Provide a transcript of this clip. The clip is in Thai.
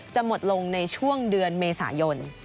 จะหมดลงในช่วงเดือนเมษายน